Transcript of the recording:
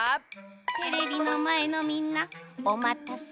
テレビのまえのみんなおまたせ。